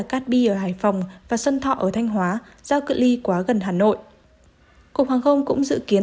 cát bi ở hải phòng và xuân thọ ở thanh hóa do cự li quá gần hà nội cục hoàng không cũng dự kiến